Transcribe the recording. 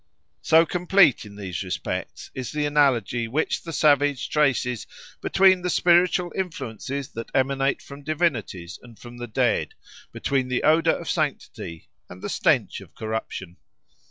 So complete in these respects is the analogy which the savage traces between the spiritual influences that emanate from divinities and from the dead, between the odour of sanctity and the stench of corruption.